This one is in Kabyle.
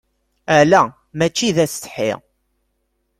Ala mačči d asetḥi.